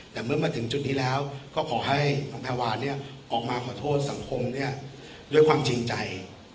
แต่เมื่อมาถึงจุดนี้แล้วก็ขอให้คุณแพรวาออกมาขอโทษสังคมด้วยความจริงใจ